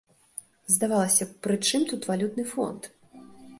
Здавалася б, пры чым тут валютны фонд?